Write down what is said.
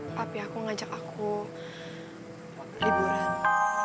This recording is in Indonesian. tapi aku ngajak aku liburan